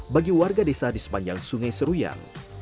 bagi warga desa di sepanjang sungai seruyan